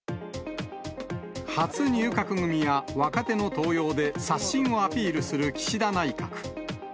初入閣組や若手の登用で、刷新をアピールする岸田内閣。